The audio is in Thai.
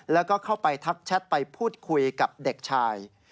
แล้วก็เข้าไปทักแชทไปพูดคุยกับเด็กชาย